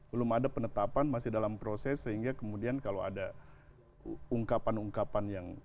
belum ada penetapan masih dalam proses sehingga kemudian kalau ada ungkapan ungkapan yang